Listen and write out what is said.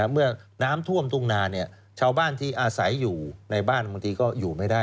เมื่อน้ำท่วมทุ่งนาชาวบ้านที่อาศัยอยู่ในบ้านบางทีก็อยู่ไม่ได้